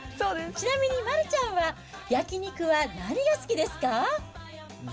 ちなみに丸ちゃんは焼き肉は何が好きですか。